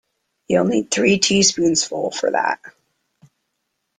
You'll need three teaspoonsful for that.